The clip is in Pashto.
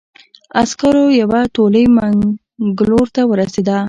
عسکرو یوه تولۍ منګلور ته ورسېده.